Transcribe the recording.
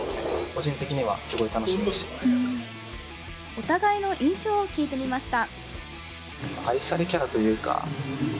お互いの印象を聞いてみました。